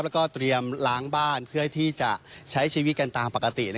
แล้วก็เตรียมล้างบ้านเพื่อที่จะใช้ชีวิตกันตามปกติ